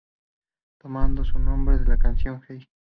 Tomando su nombre de la canción ""Hey!